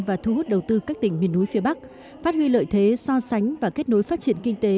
và thu hút đầu tư các tỉnh miền núi phía bắc phát huy lợi thế so sánh và kết nối phát triển kinh tế